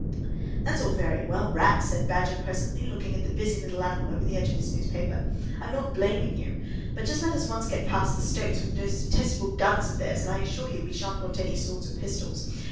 "That's all very well, Rat," said the Badger presently, looking at the busy little animal over the edge of his newspaper; "I'm not blaming you. But just let us once get past the stoats, with those detestable guns of theirs, and I assure you we shan't want any swords or pistols.